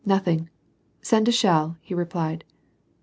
" Nothing, send a shell," he replied.